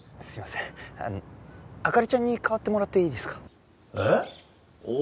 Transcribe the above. すいません灯ちゃんに代わってもらっていいですか？